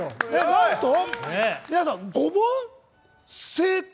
なんと皆さん、５問正解？